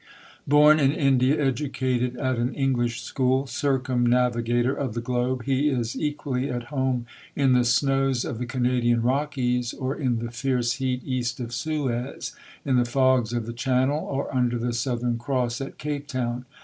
Born in India, educated at an English school, circumnavigator of the globe, he is equally at home in the snows of the Canadian Rockies, or in the fierce heat east of Suez; in the fogs of the Channel, or under the Southern Cross at Capetown.